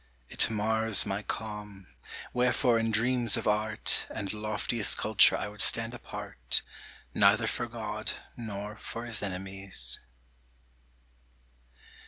It mars my calm : wherefore in dreams of Art And loftiest culture I would stand apart, Neither for God, nor for his enemies.